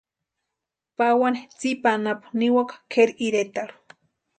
Pawani tsipa anapu niwaka Kʼeri iretarhu.